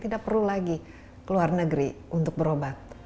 tidak perlu lagi ke luar negeri untuk berobat